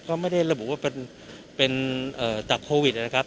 ก็ไม่ได้ระบุว่าเป็นจากโควิดนะครับ